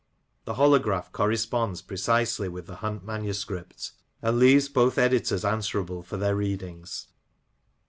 The holograph corresponds pre cisely with the Hunt manuscript, and leaves both editors answerable for their readings.